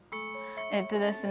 えっとですね